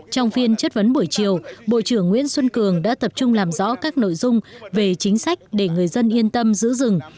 trong phiên chất vấn buổi chiều bộ trưởng nguyễn xuân cường đã tập trung làm rõ các nội dung về chính sách để người dân yên tâm giữ rừng